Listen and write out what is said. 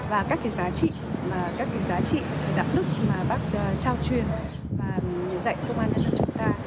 và các cái giá trị các cái giá trị đạo đức mà bác trao truyền và dạy công an nhân dân chúng ta